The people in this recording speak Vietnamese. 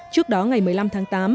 trước đó ngày một mươi năm tháng tám